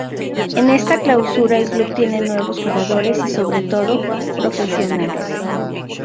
En esta Clausura el club tiene nuevos jugadores y sobre todo, profesionales.